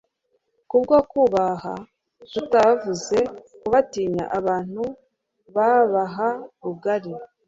Kubwo kububaha tutavuze kubatinya, abantu babaha rugari.